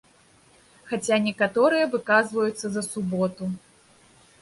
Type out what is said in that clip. Хаця некаторыя выказваюцца за суботу.